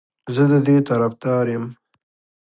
زه د دې طرفدار یم